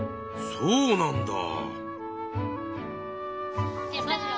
そうなんだ。